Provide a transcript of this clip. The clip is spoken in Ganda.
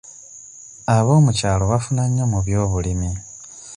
Aboomukyalo bafuna nnyo mu by'obulimi.